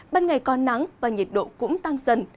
ban ngày có nắng và nhiệt độ cũng tăng dần